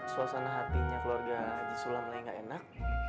suasana hatinya keluarga haji sulam lagi gak enak